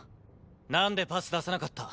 なんでパス出さなかった？